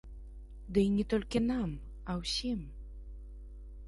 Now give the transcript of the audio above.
Ды і не толькі нам, а ўсім.